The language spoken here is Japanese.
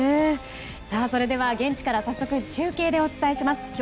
それでは現地から中継でお伝えします。